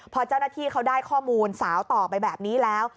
พอเจ้าหน้าที่เขาได้ข้อมูลสาวต่อไปแบบนี้แล้ว